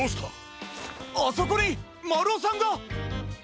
あそこにまるおさんが。